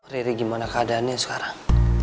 riri gimana keadaannya sekarang